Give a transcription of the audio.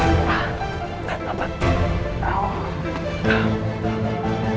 yang penting dia ke gue